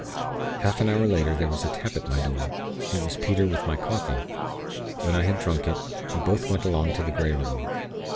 "Half an hour later there was a tap at my door. It was Peter with my coffee. When I had drunk it, we both went along to the Grey Room.